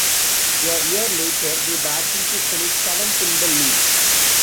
A year later, they battled to finish seventh in the league.